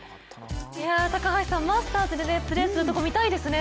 マスターズでプレーするところ見たいですね。